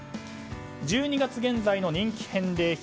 １２月現在の人気返礼品